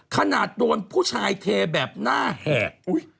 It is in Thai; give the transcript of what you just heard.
ขนาดโดนผู้ชายเทแบบหน้าแหก